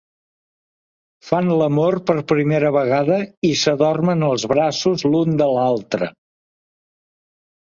Fan l'amor per primera vegada i s'adormen als braços l'un de l'altre.